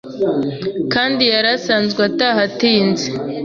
kandi yari asanzwe ataha atinze